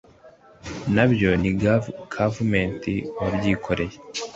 Nabyo ni Kavumenti wabyikoreye